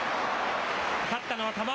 勝ったのは玉鷲。